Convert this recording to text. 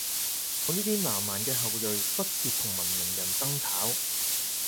我呢啲南蠻嘅後裔，不屑同文明人爭吵